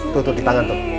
tuh tuh di tangan tuh